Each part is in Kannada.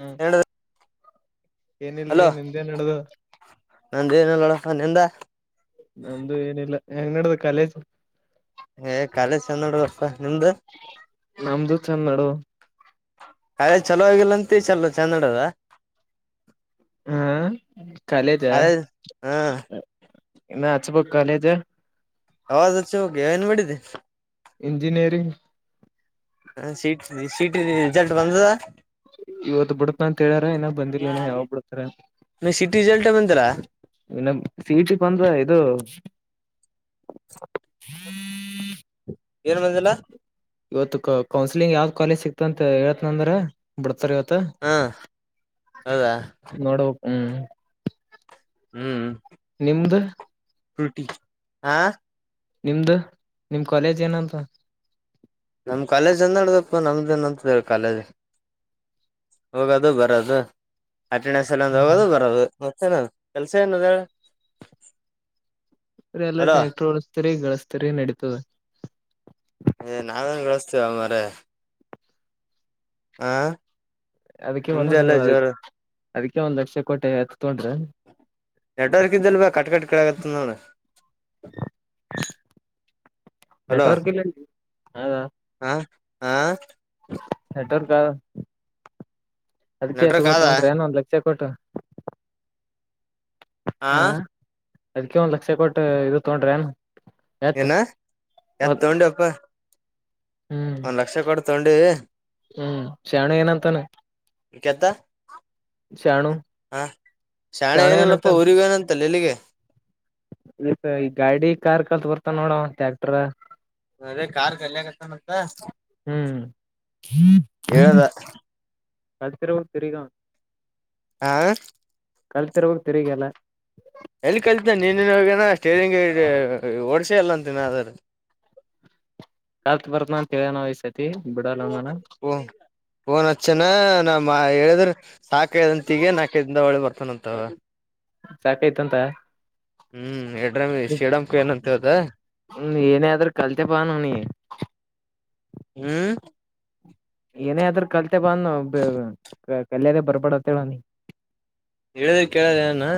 ಹ್ಮ್ ಹೇಳ ಏನಿಲ್ರಿ ಹಲೋ ನಿಮ್ದೇ ನಡ್ದ ನಂದ ಏನಿಲ್ಲ ನೋಡಪ್ಪ ನಿಂದ ನಮ್ದು ಏನಿಲ್ಲ ಹೆಂಗ ನಡ್ದದ ಕಾಲೇಜ್ ಏ ಕಾಲೇಜ್ ಚಂದ ನೋಡಅಪ್ಪ ನಿಮ್ದು ನಮ್ದು ಚಂದಡು ಕಾಲೆಜ್ ಚಲೋ ಆಗಿಲ್ಲ ಅಂತಿ ಚಲೋ ಚಂದ [unintelligible] ಹಾ ಕಾಲೇಜ ಕಾಲೇಜ್ ಹಾ ಇನ್ನ ಹಚ್ಬಬೇಕ್ ಕಾಲೇಜು ಅವಾಗ ಆಚೆ ಹೋಗಿ ಏನ್ ಮಾಡಿದ್ದಿ ಇಂಜಿನಿಯರಿಂಗ್ ಹ C he T C he T the result ಬಂದದಾ ಇವತ್ ಬಿುಡಪ ಅಂತ ಹೇಳ್ಯಾರ ಇನಾಗ್ ಬಂದಿಲ್ಲ ನ ಯಾವಾಗ ಬಿಡತಾರ ನೀ ಸಿಟಿ ರಿಸಲ್ಟ್ ಬಂದಿಲ್ಲ ಇನ್ನ ಸಿಹಿ ಟಿ ಬಂದ್ರ ಇದು ಏನ್ ಬಂದಿಲ್ಲ ಇವತ್ತು ಕೌನ್ಸಿಲಿಂಗ್ ಯಾವ್ದ್ ಕಾಲೇಜ ಸಿಕ್ತ್ ಅಂತ ಹೇಳತ್ನನಾ ಅಂದಾವ್ರ ಬಿಡ್ತಾರ ಇವತ್ ಹಾ ಹೌದಾ ನೋಡು ಹ್ಮ್ ಹ್ಮ್ ನಿಮ್ದ [unintelligible] ಹಾ ನಿಮ್ದು ನಿಮ್ ಕಾಲೇಜ್ ಏನಂತ ನಮ್ ಕಾಲೇಜ್ ಅಂದ ನಡ್ದಪ್ಪ ನಮ್ದನ್ ಅಂತ ಕಾಲೇಜ್ ಹೋಗೋದು ಬರದು ಅಟೆಂಡೆನ್ಸ್ [unintelligible] ಹ್ಮ ಹೋಗೋದು ಬರದು ಮತ್ತೆನ ಕೆಲ್ಸ ಏನದ ಹೇಳ ಎಲ್ಲಾ ಹಲೋ ಟ್ಯಾಕ್ಟರ್ ಓಡಿಸ್ತೀರಿ ರಿ ಗಳಿಸ್ತರಿ ನಡೀತದ ಏ ನಾವೇನ್ ಗಳಿಸ್ತಿವೋ ಮಾರಾಯ ಹ ಅದಕ್ಕೆ ನಿಮ್ದೆ ಒಂದೊ ಎಲ್ಲ ಜೋರು ಅದಕ್ಕೆ ಒಂದ್ ಲಕ್ಷ ಕೊಟ್ಟಿ ಎತ್ಕೊಂಡ್ರಾ ನೆಟ್ವರ್ಕ್ ಇದ್ದಲ್ ಬ ಕಟ್ ಕಟ್ ಕೆಲಕತ್ತಾದ ನೋಡು ನೆಟ್ವರ್ಕ್ ಇಲ್ಲ ಹೌದಾ ಹಾ ಹಾ ನೆಟ್ವರ್ಕ್ ಅದ್ಕ್ ಏತ್ ನೆಟ್ವರ್ಕ್ ಗೊಳ್ ಆದ ತಗೊಂಡ್ರಿ ಏನ ಒಂದ್ ಲಕ್ಷ ಕೊಟ್ಟು ಹ ಹಾ ಅದಕ್ಕೆ ಒಂದ್ ಲಕ್ಷ ಕೊಟ್ಟು ಇದು ತೊಡ್ರೈನು ಏನ ಎತ್ ತಗೊಂಡ ಅಪ್ಪ ಹ್ಮ್ ಲಕ್ಷ ಕೊಟ್ಟು ತೊಡ್ವಿ ಹ್ಮ್ ಶಣ ಏನಂತಾನ ಕೆತ್ತ ಶಾಣು ಹ ಶಾಣೆ ಶಾಣು ಏನಲ್ಲಪ್ಪ ಏನಂತಾನ ಊರಿಗ ಏನಂತ [unintelligible] ಈ ಈ ಗಾಡಿ ಕಾರ್ ಕಲ್ತ್ ಬರ್ತ ನೋಡ ಟ್ಯಾಕ್ಟರ್ ಅದೇ ಕಾರ್ ಕಲ್ಯಕತ್ತನಂತ ಹ್ಮ್ ಹೇಳದ ಅದು ಪರವು ತಿರಗಾ ಹಾ ಕಲ್ತಿರಾಗ ತಿರುಗಲ್ಲ ಎಲ್ಲಿ ಕಲ್ತಿನ ನೀನನು ಹಏನ ಸ್ಟೀರಿಂಗ್ ಓಡ್ಸಿ ಇಲ್ಲ ಅಂತೀನ ಅದ್ರರು ಕಲ್ತ್ ಬರ್ತನ ಅಂತ ಹೇಳೇದ ಇಸ್ರು [unintelligible] ಬೇಡಲ ಓ [unintelligible] ಪೋನ್ ಹಚ್ಚಾಣ ಹೇಳಿದ್ರ ಸಾಕೈದಂತ ತಗ ನಾಕೈದಿಂದ ಒಳ್ಳೆ ಬರ್ತಾನಂತವ ಸಾಕಾಯ್ತು ಅಂತ ಹ್ಮ್ ಎಡ್ರ ಶೀಡಮಕು ಏನಂತವದ ಏನೇ ಆದ್ರೂ ಕಲ್ತೆ ಬಾ ಅವನಿಗೆ ಹ್ಮ್ ಏನೇ ಆದ್ರೂ ಕಲ್ತೆ ಬ ಅನು ಕಲ್ಯಾಣೆ ಬರ್ಬಡ ಅಂತ ಹೇಳ ಅವನಿಗೆ ಹೇಳಿದ್ರ ಕೇಳದ ಅವನು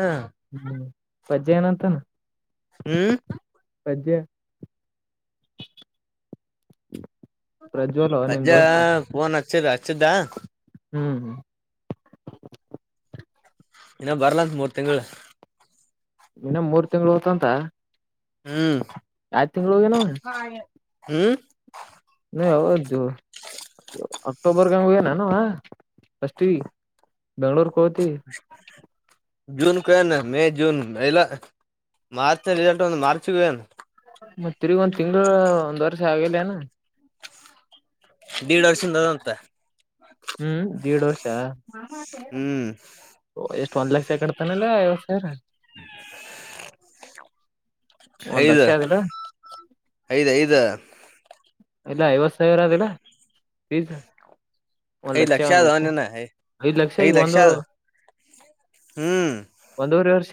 ಹ್ಮ್ ಪಜ್ಜಯಏನಂತಾನ ಹ್ಮ್ ಪಜ್ ಪ್ರಜ್ವಲ್ ನಿಮ್ ಪಜ್ಜಾ ದೋಸ್ತ ಫೋನ್ ಹಚ್ಚೆಲ ಹಚ್ಚಿದ ಹ್ಮ್ ಹ್ಮ್ ಇನ್ನ ಬರ್ಲಂತ ಮೂರು ತಿಂಗಳು ಇನ್ನ ಮೂರ್ ತಿಂಗ್ಗಳು ಹೋತಂತ ಹ್ಮ್ ಯಾವ್ ತಿಂಗ್ಳ ಹೋಗ್ಯನವ [unintelligible] ಹ್ಮ್ ಏನು ಯಾವದೂ ಅಕ್ಟೋಬರ್ಗಂಗ ಹ ನಾನ ಅಷ್ಟ ಬೆಂಗ್ಳೂರ್ಗೆ ಹೋಗತಿ [inaudible] ಜೂನ್ ಕ ಏನು ಮೇ ಜೂನ್ ಮಲ ಮಾರ್ಚ್ ನ ರರಿಿಸಲ್ಟ್ ಮಾರ್ಚ್ಗೆಏನು ಮತ್ತ ತಿರಿಗ ಒಂದ್ ತಿಂಗಗಳುಳ ಒಂದ್ ವರ್ಷ ಆಗಿಲ್ಲ ನ ದೇಡ್ ವರ್ಷಿಂದದ ಅಂತ ಹ್ಮ್ ದೇಡ್ ವರ್ಷ ಹ್ಮ್ ಎಷ್ಟ ಒಂದ್ ಲಕ್ಷ ಸಕಡ್ತಾನಲ್ಲಾ ಐವತ್ತು ಸಾವಿರ [inaudible] ಒಂದ್ ಐದ ಲಕ್ಷ ಅದಿಲ್ಲ ಐದ್ ಐದ ಇಲ್ಲ ಐವತ್ ಸಾವಿರ ಅದಿಲ್ಲ ಬೀಸ್ ಐದು ಲಕ್ಷ ಆದ ಅವನನ ಐದ್ ಐ ಈಗ ಲಕ್ಷ ಒಂದು ಹ್ಮ್ ಒಂದೂವರೆ ವರ್ಷ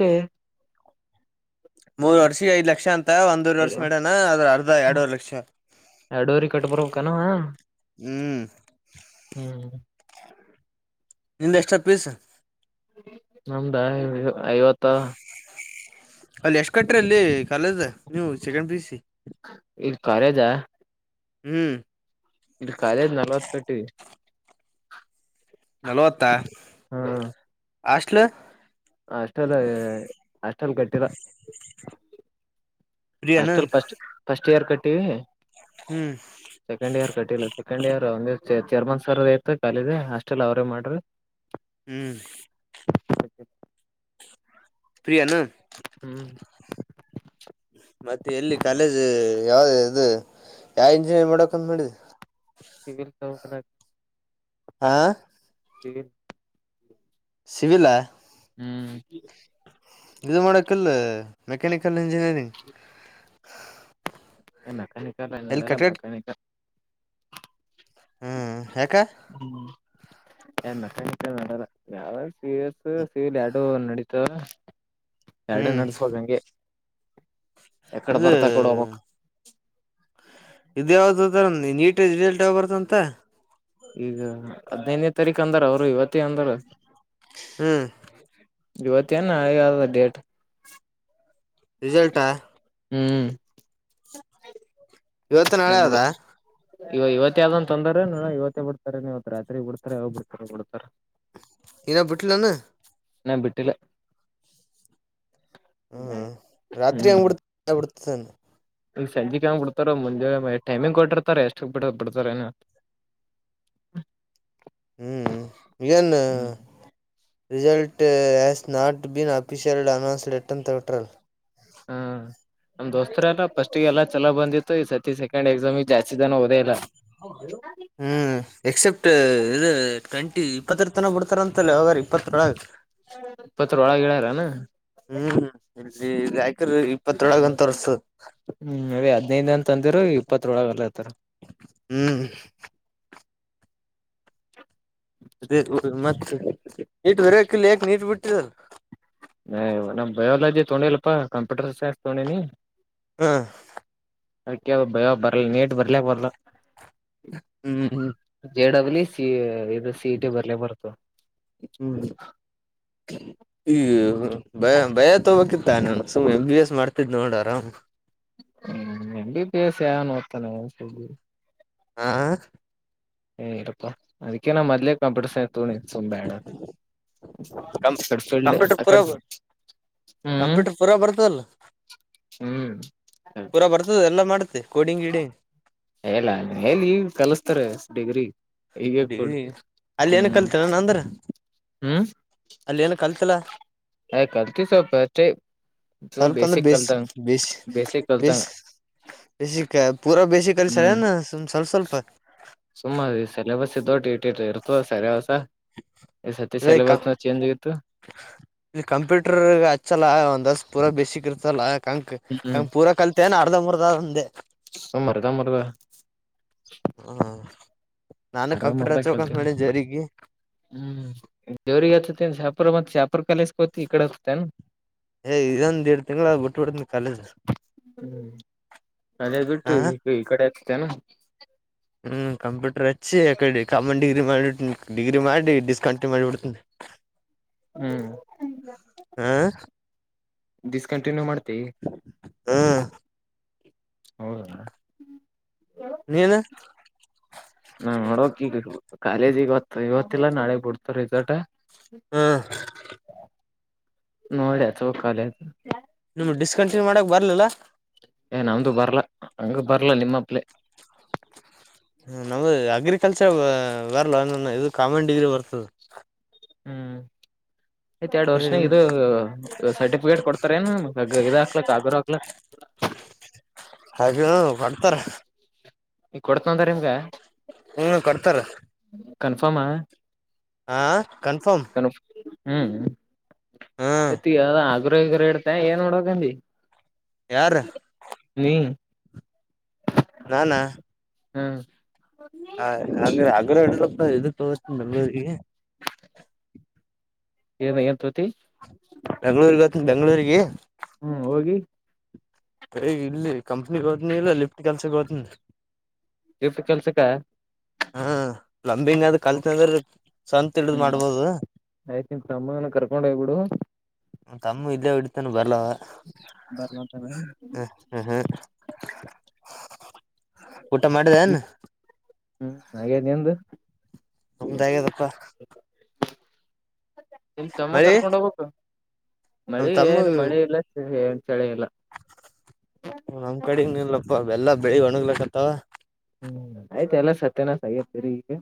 ಮೂರ್ ವರ್ಷ ಐದ್ ಲಕ್ಷ ಅಂತ ಒಂದೂರ್ ವರ್ಷ ಮೇಡನಾ ಅದ್ರ ಅರ್ಧ ಎರಡವರ್ ಲಕ್ಷ ಎರಡು ವಾರೆ ಕಟ್ಬ ಬರಬೇಕಾ ಏನು ಅವ ಹ್ಮ್ ಹ್ಮ್ ನಿಂದ ಎಷ್ಟು ಪೀಸ್ ನಮ್ದ ಐವತ್ತು ಅಲ್ಲಿ ಎಷ್ಟ ಕಟ್ಟ್ರಿ ಅಲ್ಲಿ ಕಾಲೇಜ ನೀವು ಸೆಕೆಂಡ್ ಪೀಯುಸಿ ಇಲ್ ಕಾಲೇಜ ಹ್ಮ್. ಇದು ಕಾಲೇಜ್ ನಲ್ವತ್ ಕಟ್ಟಿವಿ. ನಲವತ್ತ ಹಾಷ್ಟಲ್. ಹಾಷ್ಟೆಲ್ಲ್ ಹಾಷ್ಟೆಲ್ಲ್ ಕಟ್ಟಿಲ್ಲ. ಫ್ರೀ ಏನ ಹಾಸ್ಟೆಲ್ ಪಸ್ಟ್ ಫಸ್ಟ್ ಇಯರ್ ಕಟ್ಟಿವಿ. ಹ್ಮ್ ಸೆಕೆಂಡ್ ಇಯರ್ ಕಟ್ಟಿಲ್ಲ ಸೆಕಂಡ್ ಇಯರ್ ಒಂದ ಚೆ ಚೇರ್ಮನ್ ಸರ್ದಾಯ್ತ ಕಾಲೇಜ ಹಸ್ಟೆಲ್ ಅವ್ರೇ ಮಾಡಿದ್ರ. ಹ್ಮ್ ಪ್ರೀಯನ. ಹ್ಞೂ ಮತ್ತೆ ಎಲ್ಲಿ ಕಾಲೇಜ್ ಯಾವ್ದ ಇದು ಯಾವ ಇಂಜಿನಿಯರಿಂಗ್ ಮಾಡಕಂತ ಮಾಡಿದಿ. ಸಿವಿಲ್ ತೊಬೇಕನ್ನಾಕತಿನಿ. ಹಾ ಸಿವಿಲ್. ಸಿವಿಲ್ಲ. ಹ್ಮ್ ಇದು ಮಾಡಕಿಲ್ ಮೆಕ್ಯಾನಿಕಲ್ ಇಂಜಿನಿಯರಿಂಗ್. [inaudible] ಮೆಕಾನಿಕಲ್ ಎಲ್ಲಿ ಇಂಜಿನಿಯರಿಂಗ್ ಕಟ್ಕಟ್ ಮೆಕಾನಿಕಲ್ ಹ್ಮ್ ಯಾಕ. ಹ್ಮ್ ಏನ್ ಮೆಕಾನಿಕಲ್ ಮಾಡಲ ಯಾವ ಸಿಎಸ್ ಸಿವಿಲ್ ಯಾಡು ನಡೀತಾವ. ಯಾರಡು ಹ್ಮ್ ನಡ್ಸ್ಬಕ್ ಹಂಗೆ. ಯಕಡೆ ಇದ. ಬರ್ತಾ ಆಕಡೆ ಹೋಗ್ಬೇಕು ಇದ ಯಾವ್ದ ಅದ ನೀಟ್ ರಿಸಲ್ಟ್ ಯಾವ ಬರ್ತ್ತದಂತ. ಈಗ ಹದ್ನೈದನೇ ತಾರೀಕು ಅಂದಾರ ಅವ್ರು ಇವತ್ತ ಅಂದಾರ. ಹ್ಮ್ ಇವತ್ತೇನ್ ನಾಳಿಗೆ ಅದಾ ಡೇಟ್. ರಿಸಲ್ಟ್ ಆ. ಹ್ಮ್ ಇವತ್ತು ನಾಳೆ ನಮ್ಬುಡ. ಅದ ಇವ ಇವತ್ತೆ ಆದಂತಂದಾರ ನೋಡ ಇವತ್ತೇ ಬಿಡ್ತಾರೇನ್ ಇವತ್ ರಾತ್ರಿ ಬಿಡ್ತಾರ ಯಾವಾಗ ಬಿಡ್ತಾರ ಬಿಡ್ತಾರ. ಇನ್ನ ಬಿಟ್ಟಿಲ್ಲನ. ಇನ್ನ ಬಿಟ್ಟಿಲ್ಲ. ಹ್ಮ್ ರಾತ್ರಿ ಹ್ಮ್ ಹೆಂಗ್ ಬಿಡ್ತ ಬಿಡ್ತಾನ. ಈಗ ಸಂಜಿಕೆ ಹಂಗ್ ಬಿಡ್ತಾರ ಮುಂಜಾಲೆ ಟೈಮಿಂಗ್ ಕೊಟ್ಟಿರ್ತಾರ ಎಷ್ಟಕ್ ಬಿಡ ಬಿಡ್ತಾರೇನ. ಹ್ಮ್ ಏನ. ಹ್ಮ್ result has not been officially announced yet ಅಂತ ಬಿಟ್ಟಾರಲ. ಹ್ಮ ನಮ್ ದೋಸ್ತರಾದ ಫಸ್ಟ್ಗೆ ಎಲ್ಲಾ ಚಲೋ ಬಂದಿತ್ತು ಈ ಸತಿ ಸ ಸೆಕೆಂಡ್ ಎಕ್ಸಾಮ್ ಗೆ ಜಾಸ್ತಿ ಜನ ಓದೆಯಿಲ್ಲಾ. ಹ್ಮ್ ಎಕ್ಸೆಪ್ಟ್ ಇದ ಟ್ವೆಂಟಿ ಇಪ್ಪತ್ತರ ತನ ಬಿಡ್ತಾರಂತಲ್ಲ ಯಾವಾಗರ ಇಪ್ಪತ್ತರೊಳಗ. ಇಪ್ಪತ್ರೊಳಗೆಳ್ಯಾರನ. ಹ್ಮ್ ಇ ರಾಯಕರು ಇಪ್ಪತ್ತ್ರೊಳಗ ಅಂತ ತೋರ್ಸುತದ. ಹ್ಮ್ ಅದೆ ಹದಿನೈದು ಅಂತ ಅಂದಿರು ಇಪ್ಪತ್ತ್ರೊಳಗ್ ಅಲ್ಲಾರ್ತರ. ಹ್ಮ್ [unintelligible] ಮತ್ತ ನೀಟ್ ಬರೋಕಿಲ್ಲ ಯಕ್ ನೀಟ್ ಬಿಟ್ಟಿದ ನಮ್ಮ್ ಬಯೋಲಜಿ ತೊೊಂಡಿಿಲ್ಲಪ್ಪಾ ಕಂಪ್ಯೂಟರ್ ಸೈನ್ಸ್ ತಗೊಂಡಿನಿ [unintelligible] ಅದಕ್ಕೆ ಭಯ ಬರ್ಲ್ಲ ನೀಟ್ ಬರ್ಲಕ್ ಬರ್ಲ್ಲ ಹ್ಮ್ ಹ್ಮ್ ಜೆ ಡಬ್ಲ್ಲು ಸಿ ಇದು ಸಿ ಟಿ ಬರ್ಲೇ ಬರ್ತು ಹ್ಮ್ ಈಯ ಭಯ ತೋಕಿತ್ತ ನ ಎಂ ಬಿ ಎಸ್ ಮಾಡ್ತಿದ್ ನೋಡ ಆರಾಮ್ ಹ್ಮ್ ಎಂಬಿ ಬಸ್ಯನು ಒತಾನೆಿ [unintelligible] ಹಾ [unintelligible] ಇರಪ್ಪ ಅದಕ್ಕೆೆ ನ ಮಲ್ಲಿಯ ಕಾಪಡಸ ತುಣಿ ಸುಂಬಣ ಕಂ ಕಂಪ್ಯೂಟರ್ ಪೂರಾ ಕಂಪ್ಯೂಟರ್ [unintelligible] [inaudible] ಪೂರಾ ಬರ್ತದಲ್ಲ ಹ್ಮ್ ಅದು ಎಲ್ಲ ಮಾಡುತ್ತೆ ಕಡಿಂಗ್ ಗಿಡಿಂಗ್ ಹೇಳ ಎ ಕಲಸ್ತಾರೆ ಡಿಗ್ರಿ ಈಗೀಗ ಡಿಗ್ರಿ ಕೊಡಿಂಗ್ ಅಲ್ಲಿ ಏನ [unintelligible] ಕಲ್ತನ ಅಂದ್ರ ಹ್ಮ್ ಅಲ್ಲಿ ಏನ ಕಲ್ತಿಲ್ಲ ಆಯಕಲ್ತಿ [unintelligible] ಸ್ವಲ್ಪ ಅಂದ್ರೆ ಬೇಸ ಬೇಸಿ ಬೇಸಿಕ್ ಕಲ್ತಂಗ ಬೇಸಿ ಬಸಿಕ ಪೂರಾ ಬೇಸ ಕಲ್ ಸರ ಹ್ಮ್ ಸುಮ್ನೆ ಸ್ವಲ್ಪ ಸ್ವಲ್ಪತ್ ಸುಮ್ಮ ಸಲೆಬಸ್ ಇದಟ್ಟ ಇಟ್ಟಿಟ್ಟು ಇರ್ತದೆ ಸರಿವಸ ಈ ಸೆಟ್ ಇ ಸೆಲೆಬಸ್ ನ ಚೆಂಜ ಆತ್ತು ಇದು ಕಂಪ್ಯೂಟರ್ ಹಚ್ಚಲ್ಲ ಒಂದ್ ದಸ ಪೂರ ಬಸಕ್ ಇರ್ತಲ್ಲ ಕಂಕ್ ಹ್ಮ್ ಕಂಕ್ ಪೂರ ಕಳತ ಅರ್ಧ ಮುರ್ಧ ಹಂಡೆ ಸುಮ್ನ ಹರದ ಮರದ [unintelligible] ಹ್ಮ ನಾನು ಕಂಪ್ಯೂಟರ್ ಅರ್ಧಂಬರ್ಧ ಹಚ್ಕಂತ ಕಲ್ತೀನಿ ಮಾಡಿದ್ದ ಜಗ ಹ್ಮ್ ಜೇವರಿಗೆಿಗೆ ಆತ್ತತಿ ಶಾಪುರ ಮತ್ತ ಚ ಶಾಪೂರ ಕಾಲೇಸ್ಗೆ ಹತಿ ಈ ಕಡೆ ಹತ್ತನ್ ಏ ಇದೊಂದ್ ಎರಡು ತಿಂಗಗಳ ಬಿಟ್ಟಬಡ ಕಾಲೇಜ ಹ್ಮ್ ಅದೇ ಬಿಟ್ಟು ಹ ಈ ಕಡೆ ಅಚ್ಚಿತಿಯೇನು ಹ್ಮ್ ಕಂಪ್ಯೂಟರ್ ಹಚ್ಚಿ ಅಕಡೆ ಕಾಮನ್ ಡಿಗ್ರಿ ಮಾಡಿ ಡಿಗ್ರಿ ಮಾಡಿ ಡಿಸಕಂಟಿಮ ಮಾಡಿಬಡ್ತಿ [inaudible] ಹ್ಮ್ ಹ್ಮ್ ಡಿಸ್ ಕಂಟಿನ್ಯೂ ಮಾಡ್ತವಿ ಹ್ಮ್ ಹೌದ ನೀನು ನಾ ನೋಡೋಕ್ ಈಗ ಕಾಲೇಜಿಗತ್ತು ಇವತ್ತಲ್ಲ ನಾಳೆ ಬಿಡ್ತ ರಿಸೋರ್ಟ್ ಹ್ಮ್ ನೋಡೆ ಹಾಚೆ ಬೇಕು ಕಾಲೇಜ್ ನಿಮ್ ಡಿಸ್ಕಂಟಿನ್ಯ ಮಾಡಕ್ ಬರ್ಲಲ್ಲಾ ಏ ನಮ್ದು ಬರ್ಲಾ ಹಂಗ ಬರ್ಲಾ ನಿಮ್ಮಪ್ಲೆ ಹ ನಮ್ದ ಅಗ್ರಿಕಲ್ಚರ್ ಬರಲ್ಲ ಇದು ಕಾಮನ್ ಡಿಗ್ರಿ ಬರ್ತದೆ ಹ್ಮ್ ಯ್ತ್ ಎರಡ್ ವರ್ಷ ಇದು ಸರ್ಟಿಫಿಕೇಟ್ ಕೊಡ್ತಾರ ಏ ಇದದು ಹಾಕ್ಲಕ್ ಆಗರು ಹಾಕ್ಲಕ್ ಹಾಗ ಕೊಡ್ತಾರ ಈಗ ಕೊಡ್ತನಂದಾರ ನಿಮ್ಗ. ಹ್ಞೂ, ಕೊಡ್ತಾರ ಕನ್ಫರ್ಮ್ ಹಾ, ಕನ್ಫರ್ಮ್ ಹ್ಮ್, ಹ್ಮ್ ತಿ ಯಾವದ ಆಗ್ರಹಗರು ಇಡ್ತೆ ಏನ್ ಮಾಡಬೇಕಂದಿ. ಯಾರು? ನೀಮ [inaudible] ನಾನಾ ಹಾಂ.... [inaudible] ಹ ಹಾಗ್ರೆ [unintelligible] ಅಗ್ರಪ್ಪ ಇದು ತಗ ಬೆಂಗಳೂರಿಗೆ ಎನ್ ಎನ್ ತೋಗಂತಿ ಬೆಂಗಳೂರಿಗೆಹೋಗ್ತೀನಿ ಬೆಂಗಳೂರಿಗೆ. ಹ್ಮ್, ಹೋಗಿ ಕೈ ಇಲ್ಲಿ ಕಂಪ್ನೀನಿಹೋಗ್ತೀನಿಲ್ಲಬರೆ ಲಿಫ್ಟ ಕೆಲ್ಸಕ್ಕೆ ಹೋತ್ನಿ. ಲಿಫ್ಟ್ ಕೆಲ್ಸಕ್ಕಾ ಹ್ಮ ಪ್ಲಂಬಿಂಗ್ ಆದ ಕಲ್ತಂದ್ರ ಸ್ವಂತ ಹಿಡಿದ್ ಹ್ಮ್ ಮಾಡ್ಬೋದು. ಆಯ್ತ ನಿಮ್ಮತಮ್ಮಕರ್ಕೊಂಡ್ ಹೋಗ್ಬೀಡು. ತಮ್ಮ ಇದ್ದೇ ಹೋಡಿತಾನ ಬರ್ಲವ. ಬರ್ಲಾಂತನೇನ ಹೂ..... ಊ... [unintelligible] ಊಟ ಮಾಡಿದೆ ಏನ್? ಆಗಾದ ನಿಂದು ನಮ್ದ ಆಗ್ಯದಪ್ಪಾ ನಿಮ್ ತಮ್ಮ ಮಳಿ ಕರ್ಕೊಂಡ್ ಹೋಗ್ಬೇಕು ನಮ್ ಮಳಿ ತಮ್ಮ ಏನ್ ಮಳೆ ಇಲ್ಲ ಏನ್ ಚಳಿ ಇಲ್ಲ. ನಮ್ ಕಡೆಗಿನ ನಿಲ್ಲಪ್ಪ ಎಲ್ಲಾ ಬೆಳಿ ಒಣಗ್ಲಕ್ಕತ್ತಾವ. ಹ್ಮ್, ಆಯ್ತ ಎಲ್ಲಾ ಸತ್ಯನಾಸ ಆಗದ ತಿರ್ಯಾಕಈಗ.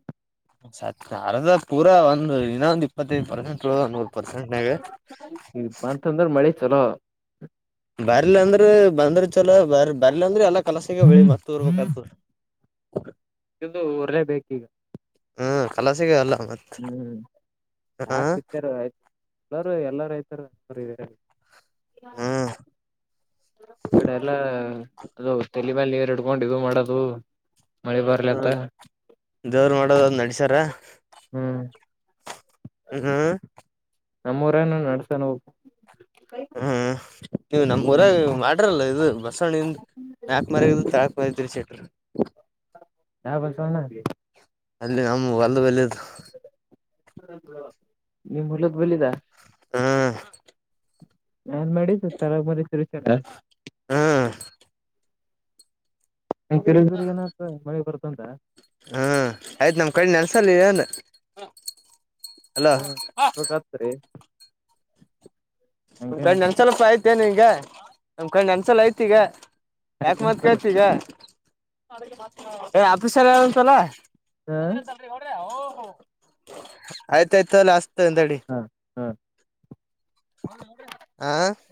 ಸ ಅರ್ದ ಪೂರ ಒಂದ್ ಇನ್ನ ಒಂದು ಇಪ್ಪತ್ತೈದ ಪರ್ಸೆಂಟ್ ತಳ ಒಂದ ನೂರ್ ಪರ್ಸೆಂಟ್ ನಾಗ ಇ [unintelligible] ಬಂತಂದ್ರ ಮಳೆ ಚಲೋ ಬರ್ಲ ಅಂದ್ರ ಬಂದ್ರ ಚೊಲ ಬರ್ ಬರ್ಲಲಿ ಅಂದ್ರ ಎಲ್ಲಾ ಕಲಸಾಗವಬೆಳಿ ಮತ್ ಉರ್ ರ್ಬೇಕಗುತ್ತದೆ. ಹ [inaudible] ಇದು ರ್ಲೆೇ ಬೇಕ ಈಗ [unintelligible] ಹ್ಮ್, ಕಲಾಸಾಗವೆಲ್ಲ ಮತ್ತೆ ಉ.... ಊ.... ಯಾರ ಬಿತ್ತಾರ ಆಯ್ತು [unintelligible] ಎಲ್ಲಾರೂ, ಎಲ್ಲಾರ ರೈತರ್ದ ಇದೆ. ಹ [inaudible] ಈ ಕಡೆ ಎಲ್ಲಾ ಅದು ತಲೆಮಾಲ ನೀರು ಹಿಡ್ಕೊಂಡ ಇದು ಮಾಡೋದು ಮಳಿ ಬರ್ಲತ್ತ ಹ್ಮ್, ದೇವರ್ ಮಾಡೋದ ಒಂದನಡಸಾರ. ಹ್ಮ್ ಹ್ಮ ಹ್ಮ.... [inaudible] ನಮ್ಮ ಊರನು ನಡ್ಸತಾ ಹೋಗು. [unintelligible] ಹ್ಮ್, ನೀವು ನಮ್ಮ್ ಊರ ಹ್ಮ್ ಮಾಡ್ದರಲ್ಲ ಇದು ಬಸವಣಿಂದ ಮ್ಯಾಕ್ ಮಾರ್ಯಾಗಿದ್ದದ ತಳ್ಮಾರಗ. ಪವಿತ್ರಿ ಸೇಟರು... [unintelligible] ದಾ ಬರ್ಸ ಒನ್ನ ಅಲ್ಲಿ [unintelligible] ಅಲ್ಲಿ ನಮ ಒಲ್ದ ಬಲ್ಲಿದು. ನಿಮ್ ಹೊಲದ್ ಬಲಿದಾ ಹಾ, ನಾನ್ ಮಾಡಿದ್ದು ತರಗ ಮರಿ ಶುರುಷ [unintelligible] [inaudible] ಹ್ಮ್ ಈ ತಿರಿದಿರಿ ಏನತ ಮಳೆ ಬರ್ತಂತ ಹ್ಮ ಆಯ್ತು ನಮ್ ಕಡೆ ನೆಲ್ಸಲ್ಲಾ ನೀವೇನ್ ಹ್ಮ ಸಖತ್ರಿ [unintelligible] ಒಂದ್ ಹಂಗೆ ಕಣ್ಣ ನನ್ಸಲಲ್ಪ ಆಯತೆತ ನಿಗ ಒಮ್ ಕಣ ನನ್ಸಲ ಆಯ್ತಿ ಈಗ ಯಾಕ ಮತ್ ಹಾಗ ಕೇತಿ ಈಗ ಏ ಆಫೀಸರ್ ಯಾರಂತಲ್ಲ ಹಾ [unintelligible] ಆಯ್ತಾಯ್ತು ಹ್ಯಾಚ್ ಹಾ ಹಾ [unintelligible] [inaudible]